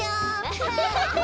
アハハハ。